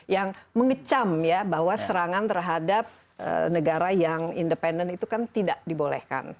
yang mengecam ya bahwa serangan terhadap negara yang independen itu kan tidak dibolehkan